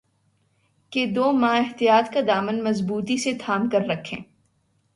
کہ دو ماہ احتیاط کا دامن مضبوطی سے تھام کررکھیں